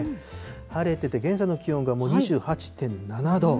晴れてて、現在の気温がもう２８．７度。